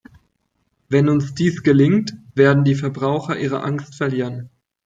Wenn uns dies gelingt, werden die Verbraucher ihre Angst verlieren.